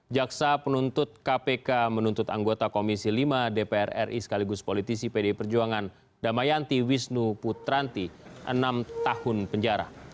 jaksa penuntut kpk menuntut anggota komisi lima dpr ri sekaligus politisi pd perjuangan damayanti wisnu putranti enam tahun penjara